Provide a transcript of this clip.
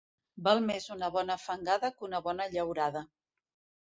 Val més una bona fangada que una bona llaurada.